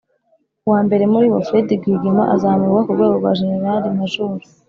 uwa mbere muri bo, fred rwigema, azamurwa ku rwego rwa jenerali majoro,